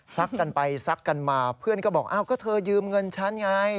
ซักกันไปซักกันมาเพื่อนก็บอกอ้าวก็เธอยืมเงินฉันไง